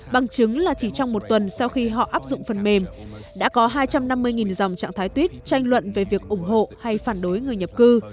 bằng chứng là chỉ trong một tuần sau khi họ áp dụng phần mềm đã có hai trăm năm mươi dòng trạng thái tuyết tranh luận về việc ủng hộ hay phản đối người nhập cư